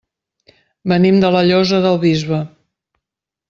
Venim de la Llosa del Bisbe.